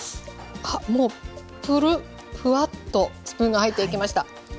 あっもうプルッフワッとスプーンが入っていきました。